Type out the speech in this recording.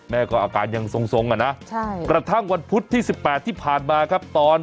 แม่ก็อาการยังทรงอ่ะนะกระทั่งวันพุธที่๑๘ที่ผ่านมาครับตอน